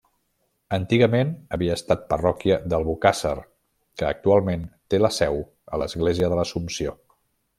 Antigament havia estat la parròquia d'Albocàsser, que actualment té la seu a l'església de l'Assumpció.